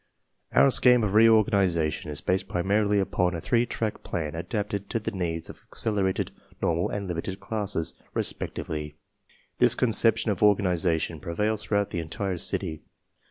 / Our scheme of reorganization is based primarily upon a three track plan adapted to the needs of accelerated, normal, and limited classes, respectively. This con ception of organization prevails throughout the entire city.